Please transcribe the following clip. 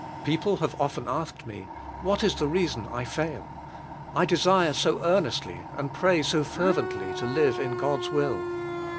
People have often asked me, "What is the reason I fail? I desire so earnestly, and pray so fervently, to live in God's will."